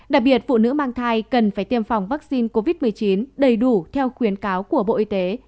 đặc biệt phụ nữ mang thai cần phải tiêm phòng vaccine covid một mươi chín đầy đủ theo khuyến cáo của bộ y tế